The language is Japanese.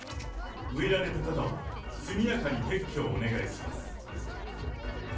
植えられた方は、速やかに撤去をお願いします。